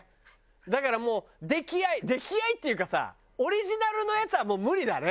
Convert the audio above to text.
だからもう出来合い出来合いっていうかさオリジナルのやつはもう無理だね。